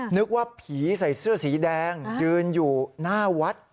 นึกว่าผีใส่เสื้อสีแดงยืนอยู่หน้าวัด